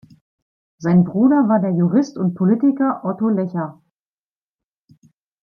Sein Bruder war der Jurist und Politiker Otto Lecher.